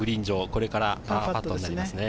これからパーパットになります。